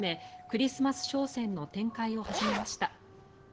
クリスマス商戦の展開を始めました。